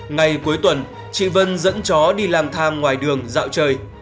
ngày cuối tuần chị vân dẫn chó đi làm tham ngoài đường dạo chơi